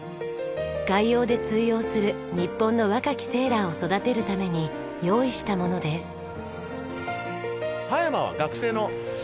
外洋で通用する日本の若きセーラーを育てるために用意したものです。